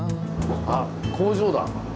あ工場だ。